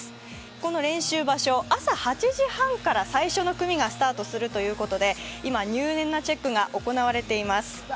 この練習場所、朝８時半から最初の組がスタートするということで今、入念なチェックが行われています。